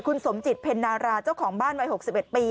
คุณสมจิตเพ็ญนาราเจ้าของบ้านวัย๖๑ปี